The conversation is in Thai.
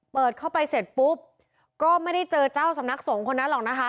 เปิดเข้าไปเสร็จปุ๊บก็ไม่ได้เจอเจ้าสำนักสงฆ์คนนั้นหรอกนะคะ